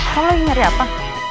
kamu lagi ngeri apa